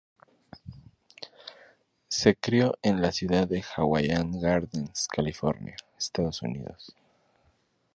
Se crio en la ciudad de Hawaiian Gardens, California, Estados Unidos.